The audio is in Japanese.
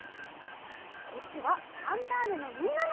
こっちは「ファンターネ！」のみんなのえ。